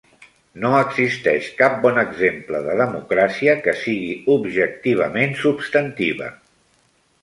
No existeix cap bon exemple de democràcia que sigui objectivament substantiva.